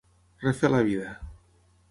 Refer la vida.